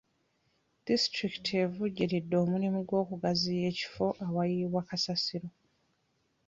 Disitulikiti evujjiridde omulimu gw'okugaziya ekifo awayiibwa kasasiro.